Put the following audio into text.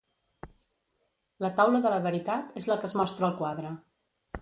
La taula de la veritat és la que es mostra al quadre.